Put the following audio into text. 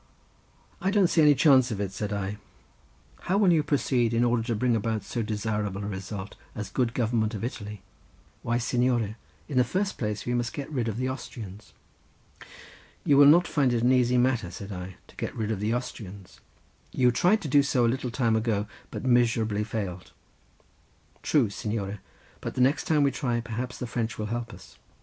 "I don't see any chance of it," said I. "How will you proceed in order to bring about so desirable a result as the good government of Italy?" "Why, signore, in the first place we must get rid of the Austrians." "You will not find it an easy matter," said I, "to get rid of the Austrians: you tried to do so a little time ago, but miserably failed." "True, signore; but the next time we try perhaps the French will help us."